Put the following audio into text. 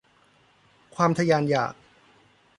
ความทะยานอยาก